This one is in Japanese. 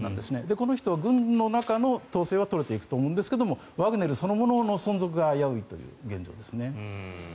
この人は軍の中の統制は取れていくと思うんですがワグネルそのものの存続が危ういという現状です。